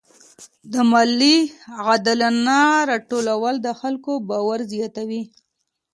د مالیې عادلانه راټولول د خلکو باور زیاتوي.